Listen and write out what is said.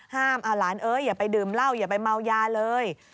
หลานเอ้ยอย่าไปดื่มเหล้าอย่าไปเมายาเลย